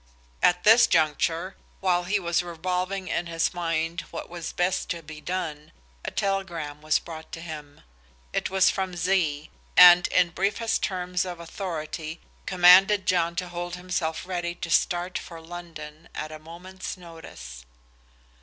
At this juncture, while he was revolving in his mind what was best to be done, a telegram was brought to him. It was from Z, and in briefest terms of authority commanded John to hold himself ready to start for London at a moment's notice.